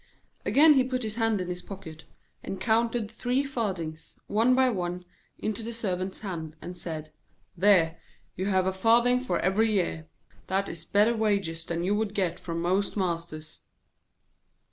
Again he put his hand into his pocket, and counted three farthings, one by one, into the Servant's hand, and said: 'There, you have a farthing for every year; that is better wages than you would get from most masters.'